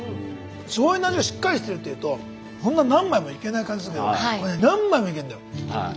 醤油の味がしっかりしてるっていうとそんな何枚もいけない感じするけどこれ何枚もいけんだよ。